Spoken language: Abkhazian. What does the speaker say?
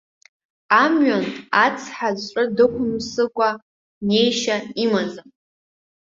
Амҩан ацҳа-ҵәры дықәымсыкәа неишьа имаӡам.